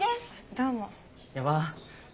どうも。